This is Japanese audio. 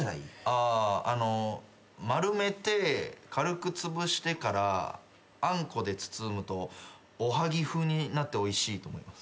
ああの丸めて軽くつぶしてからあんこで包むとおはぎ風になっておいしいと思います。